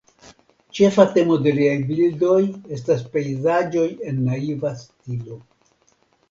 Ĉefa temo de liaj bildoj estas pejzaĝoj en naiva stilo.